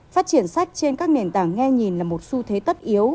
phát triển sách trên các nền tảng nghe nhìn là một xu thế tất yếu